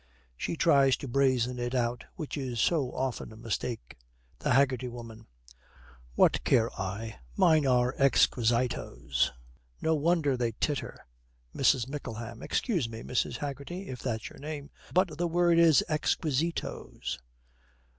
She tries to brazen it out, which is so often a mistake. THE HAGGERTY WOMAN. 'What care I? Mine is Exquisytos.' No wonder they titter. MRS. MICKLEHAM. 'Excuse us, Mrs. Haggerty (if that's your name), but the word is Exquiseetos.'